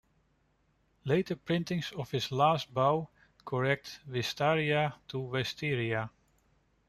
Later printings of "His Last Bow" correct "Wistaria" to "Wisteria".